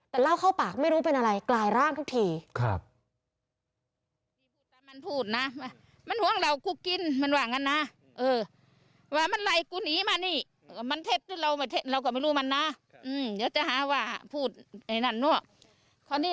แต่เล่าเข้าปากไม่รู้เป็นอะไรกลายร่างทุกที